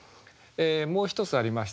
もう一つありましたね